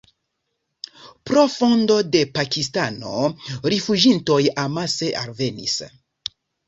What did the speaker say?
Pro fondo de Pakistano rifuĝintoj amase alvenis.